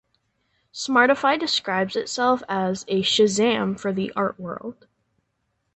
Smartify describes itself as "a Shazam for the art world".